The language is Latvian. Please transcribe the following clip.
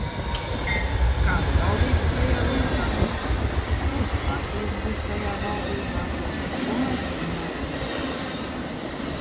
Kāda valdība tajā laikā būs, kuras partijas būs tajā valdībā, to mēs uzminēt nevaram.